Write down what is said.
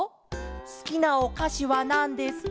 すきなおかしはなんですか？